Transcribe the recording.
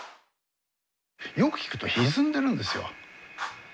よく聴くとひずんでるんですよ。